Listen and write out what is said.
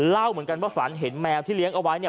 เล่าเหมือนกันว่าฝันเห็นแมวที่เลี้ยงเอาไว้เนี่ย